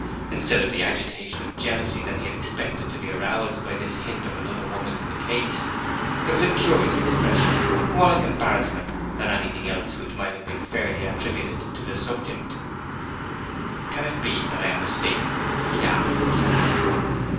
Instead of the agitation of jealousy that he had expected to be aroused by this hint of another woman in the case, there was a curious expression, more like embarrassment than anything else which might have been fairly attributed to the subject. 'Can it be that I am mistaken?' he asked himself.